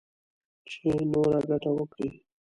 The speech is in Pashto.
چـې نـوره ګـټـه وكړي.